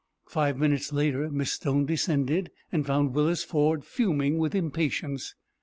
Five minutes later Miss Stone descended, and found Willis Ford fuming with impatience.